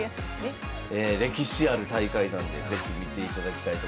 これももう歴史ある大会なんで是非見ていただきたいと思います。